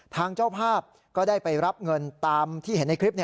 ทางเจ้าภาพก็ได้ไปรับเงินตามที่เห็นในคลิป